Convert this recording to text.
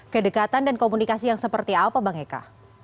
kedekatan dan komunikasi yang seperti apa bang eka